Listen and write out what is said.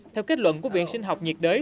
theo kết luận của viện sinh học nhiệt đới